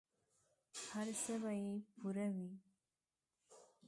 هر څه به یې پوره وي.